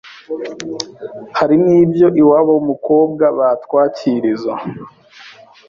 ” ”hari n’ibyo iwabo w’umukobwa batwakiriza